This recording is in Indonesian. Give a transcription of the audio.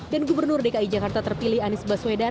dan gubernur dki jakarta terpilih anies baswedan